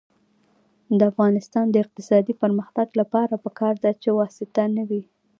د افغانستان د اقتصادي پرمختګ لپاره پکار ده چې واسطه نه وي.